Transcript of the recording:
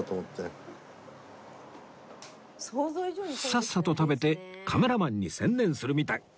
さっさと食べてカメラマンに専念するみたい